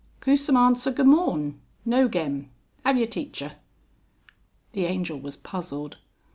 Cusom answer goomorn. No gem. Haverteachyer." The Angel was puzzled.